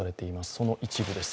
その一部です。